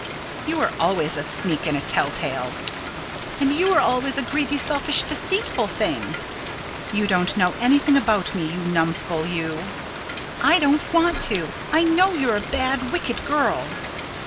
"You were always a sneak and a tell tale." "And you were always a greedy, selfish, deceitful thing." "You don't know anything about me, you numbskull, you!" "I don't want to! I know you're a bad, wicked girl."